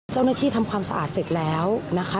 เจ้าหน้าที่ทำความสะอาดเสร็จแล้วนะคะ